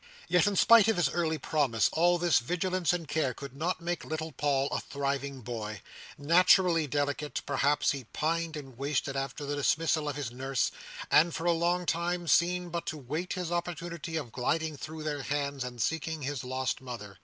Yet, in spite of his early promise, all this vigilance and care could not make little Paul a thriving boy. Naturally delicate, perhaps, he pined and wasted after the dismissal of his nurse, and, for a long time, seemed but to wait his opportunity of gliding through their hands, and seeking his lost mother.